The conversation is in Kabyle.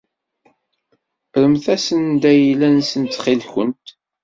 Rremt-asen-d ayla-nsen ttxil-kent.